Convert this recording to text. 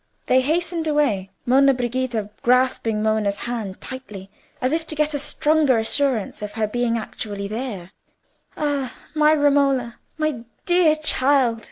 They hastened away, Monna Brigida grasping Romola's hand tightly, as if to get a stronger assurance of her being actually there. "Ah, my Romola, my dear child!"